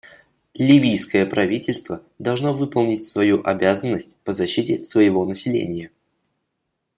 Ливийское правительство должно выполнить свою обязанность по защите своего населения.